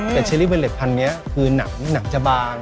แต่เชอรี่เวลเล็ตพันธุนี้คือหนังจะบาง